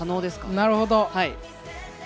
なるほど。